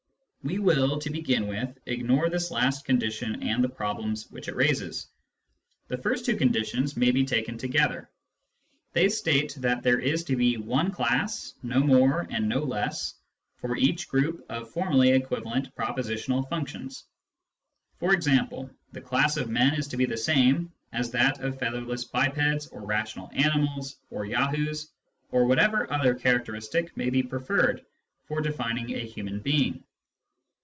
We will, to begin with, ignore this last condition and the problems which it raises. The first two conditions may be 1 86 Introduction to Mathematical Philosophy i taken together. They state that there is to be one class, no more and no less, for each group of formally equivalent pro positional functions ; e.g. the class of men is to be the same as that of featherless bipeds or rational animals or Yahoos or what ever other characteristic may be preferred for defining a human being.